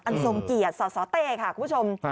ทรงเกียรติสสเต้ค่ะคุณผู้ชม